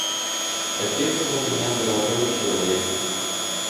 Отец у меня золотой человек.